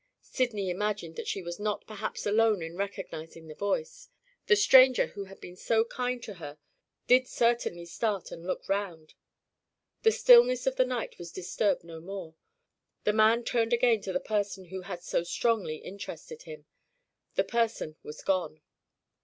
Sydney imagined that she was not perhaps alone in recognizing the voice. The stranger who had been so kind to her did certainly start and look round. The stillness of the night was disturbed no more. The man turned again to the person who had so strongly interested him. The person was gone.